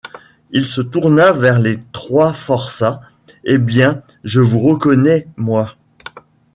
Il se tourna vers les trois forçats: — Eh bien, je vous reconnais, moi!